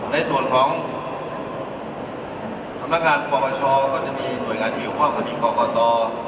ในส่วนของฝนปากกระชอก็จะมีหน่วยงานมีข้อเคอบคฎีกากอตร